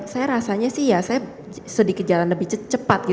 saya rasanya sih ya saya sedikit jalan lebih cepat